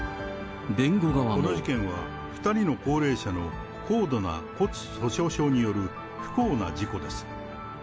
この事件は、２人の高齢者の高度な骨粗しょう症による不幸な事故です。